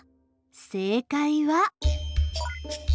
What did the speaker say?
正解は。